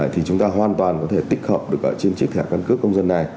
thì chúng ta hoàn toàn có thể tích hợp được trên chiếc thẻ căn cước công dân này